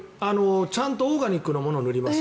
ちゃんとオーガニックのものを塗ります